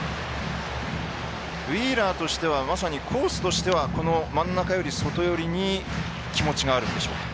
ウィーラーとしてはまさにコースとしては真ん中寄り、外寄りに気持ちがあるんでしょうか。